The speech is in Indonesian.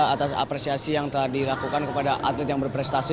atas apresiasi yang telah dilakukan kepada atlet yang berprestasi